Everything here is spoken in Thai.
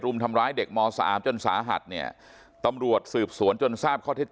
รุมทำร้ายเด็กม๓จนสาหัสเนี่ยตำรวจสืบสวนจนทราบข้อเท็จจริง